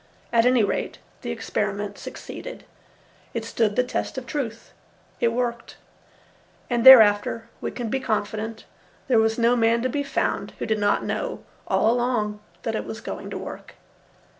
At any rate, the experiment succeeded. It stood the test of truth—it worked! And thereafter, we can be confident, there was no man to be found who did not know all along that it was going to work.